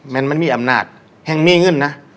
มันมันมีอำนาจแห่งมีเงินนะ